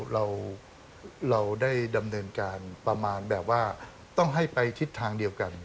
เราได้ดำเนินการประมาณแบบว่าต้องให้ไปทิศทางเดียวกัน